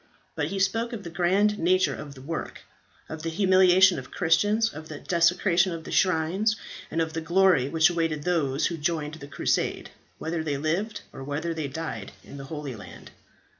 But he spoke of the grand nature of the work, of the humiliation to Christians of the desecration of the shrines, and of the glory which awaited those who joined the crusade, whether they lived or whether they died in the Holy Land.